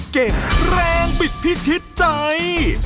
เก่งแรงบิดพิชิตใจ